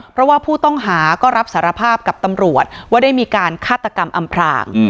เพราะว่าผู้ต้องหาก็รับสารภาพกับตำรวจว่าได้มีการฆาตกรรมอำพราง